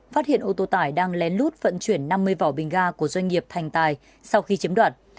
phát hiện ô tô tải đang lén lút vận chuyển năm mươi vỏ bình ga của doanh nghiệp thành tài sau khi chiếm đoạt